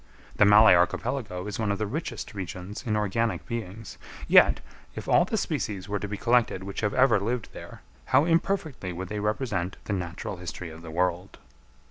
The Malay Archipelago is one of the richest regions in organic beings; yet if all the species were to be collected which have ever lived there, how imperfectly would they represent the natural history of the world!